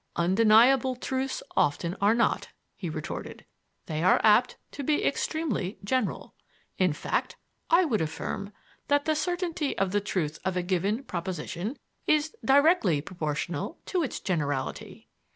"Undeniable truths often are not," he retorted. "They are apt to be extremely general. In fact, I would affirm that the certainty of the truth of a given proposition is directly proportional to its generality."